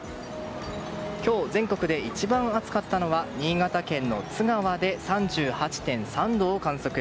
今日、全国で一番暑かったのは新潟県の津川で３８．３度を観測。